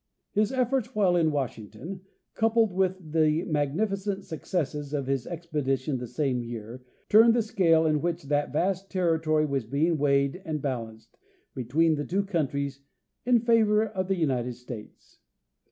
His efforts while in Washington, coupled with the magnificent successes of his expedition the same year, turned the scale in which that vast: territory was being weighed and balanced be tween the two countries in favor of the United States.